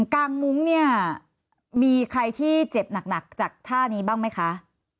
กลางมุ้งเนี่ยมีใครที่เจ็บหนักจากท่านี้บ้างไหมคะ